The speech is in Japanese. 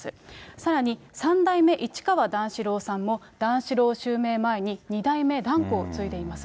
さらに三代目市川段四郎さんも段四郎襲名前に、二代目團子を継いでいます。